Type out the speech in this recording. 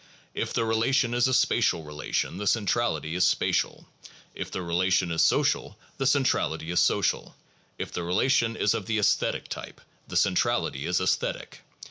If the relation is a spatial relation the centrality is spatial; if the relation is social, the centrality is social; if the relation is of the aesthetic type, the centrality is aesthetic.